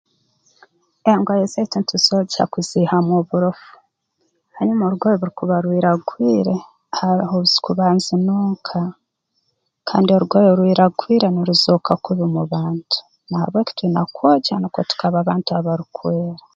Engoye zaitu ntuzoogya kuziihamu oburofu hanyuma orugoye obu rukuba rwiragwire haroho obu zikuba nzinunka kandi orugoye orwiragwire nuruzooka kubi mu bantu na habweki twina kwogya nukwo tukaba bantu abarukwera